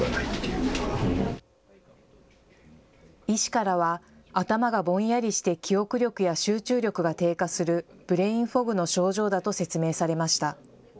医師からは、頭がぼんやりして記憶力や集中力が低下するブレインフォグの症状だと説明されました。